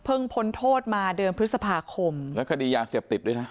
พ้นโทษมาเดือนพฤษภาคมแล้วคดียาเสพติดด้วยนะ